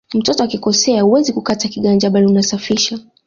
Mtoto akikosea huwezi kukata kiganja bali unasafisha